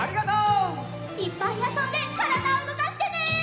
いっぱいあそんでからだをうごかしてね！